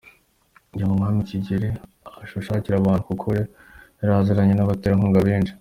Kugirango Umwami Kigeli abashakire abantu kuko we aziranye n’abaterankunga benshi.